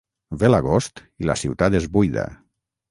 Ve l'agost i la ciutat es buida.